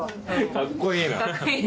かっこいいな。